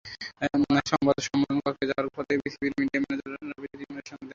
সংবাদ সম্মেলনকক্ষে যাওয়ার পথে বিসিবির মিডিয়া ম্যানেজার রাবীদ ইমামের সঙ্গে দেখা তাঁর।